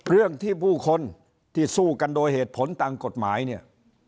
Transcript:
เรื่องที่ผู้คนที่สู้กันโดยเหตุผลตามกฎหมายเนี่ย